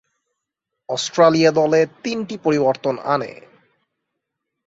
Australia দলে তিনটি পরিবর্তন আনে।